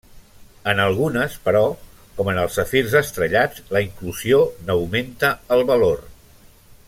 En algunes, però, com en els safirs estrellats, la inclusió n'augmenta el valor.